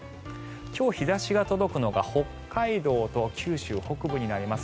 今日、日差しが届くのが北海道と九州北部になります。